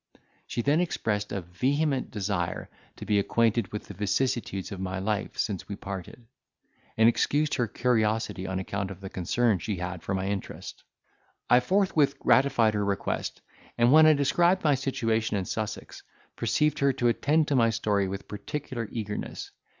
She then expressed a vehement desire to be acquainted with the vicissitudes of my life since we parted, and excused her curiosity on account of the concern she had for my interest. I forthwith gratified her request, and, when I described my situation in Sussex, perceived her to attend to my story with particular eagerness.